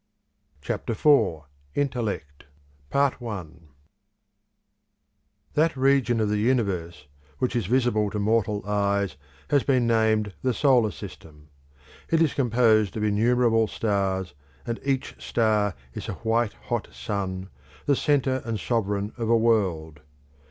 CHAPTER IV: INTELLECT Animal Period of the Earth That region of the universe which is visible to mortal eyes has been named the solar system: it is composed of innumerable stars, and each star is a white hot sun, the centre and sovereign of a world.